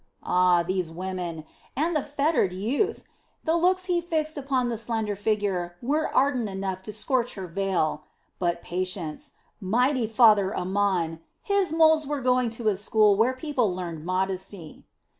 Ah, these women! And the fettered youth! The looks he fixed upon the slender figure were ardent enough to scorch her veil. But patience! Mighty Father Amon! His moles were going to a school where people learned modesty!